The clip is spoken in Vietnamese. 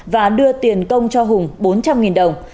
và đưa tiền công cho hùng bốn trăm linh đồng